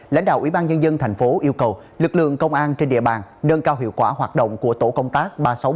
lãnh đạo ubnd thành phố yêu cầu lực lượng công an trên địa bàn nâng cao hiệu quả hoạt động của tổ công tác ba trăm sáu mươi ba